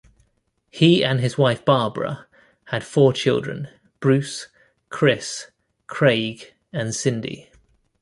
He and his wife Barbara had four children, Bruce, Chris, Craig and Cindy.